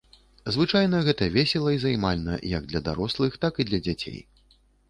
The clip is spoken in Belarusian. Звычайна гэта весела і займальна як для дарослых, так і для дзяцей.